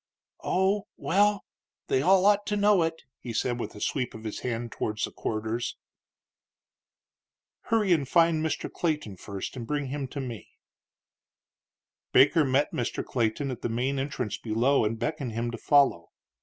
"Oh, well, they all ought to know it," he said, with a sweep of his hand towards the corridors. "Hurry and find Mr. Clayton first and bring him to me." Baker met Mr. Clayton at the main entrance below and beckoned him to follow.